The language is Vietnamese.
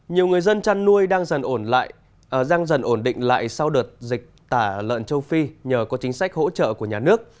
nhiều người dân chăn nuôi đang dần ổn định lại sau đợt dịch tả lợn châu phi nhờ có chính sách hỗ trợ của nhà nước